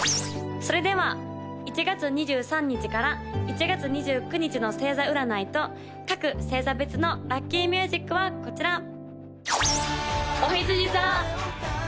それでは１月２３日から１月２９日の星座占いと各星座別のラッキーミュージックはこちら！